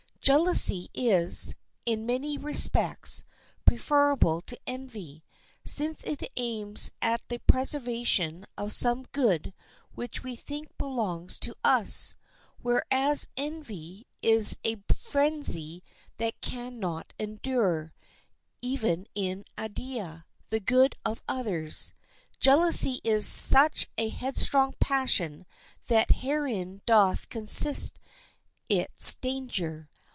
Jealousy is, in many respects, preferable to envy, since it aims at the preservation of some good which we think belongs to us; whereas envy is a frenzy that can not endure, even in idea, the good of others. Jealousy is such a headstrong passion, that therein doth consist its danger.